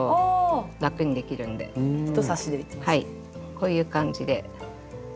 こういう感じで。